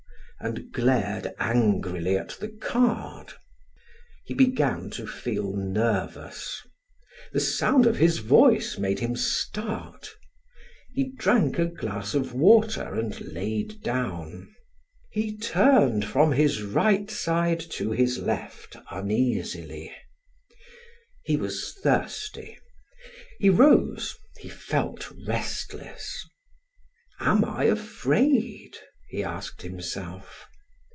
and glared angrily at the card. He began to feel nervous; the sound of his voice made him start; he drank a glass of water and laid down. He turned from his right side to his left uneasily. He was thirsty; he rose, he felt restless. "Am I afraid?" he asked himself.